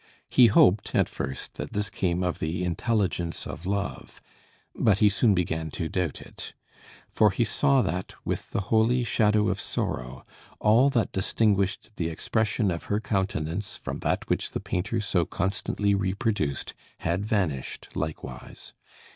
He hoped, at first, that this came of the intelligence of love; but he soon began to doubt it. For he saw that, with the holy shadow of sorrow, all that distinguished the expression of her countenance from that which the painter so constantly reproduced, had vanished likewise.